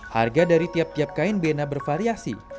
harga dari tiap tiap kain bena bervariasi